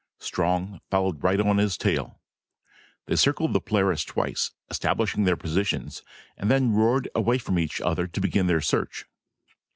Strong followed right on his tail. They circled the Polaris twice, establishing their positions, and then roared away from each other to begin their search.